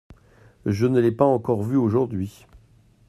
Je ne l’ai pas encore vue aujourd’hui.